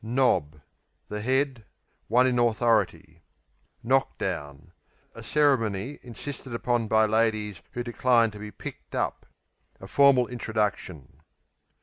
Knob The head; one in authority. Knock down A ceremony insisted upon by ladies who decline to be "picked up"; a formal introduction.